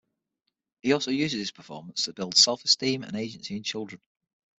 He also uses his performance to build self-esteem and agency in children.